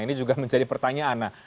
ini juga menjadi pertanyaan